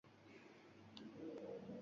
Oilamni olib borishni niyat qildim shetga.